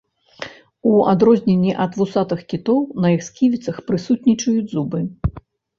У адрозненні ад вусатых кітоў на іх сківіцах прысутнічаюць зубы.